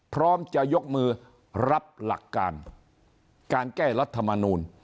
พร้อมจะยกมือรับหลักการการแก้รัฐมนูล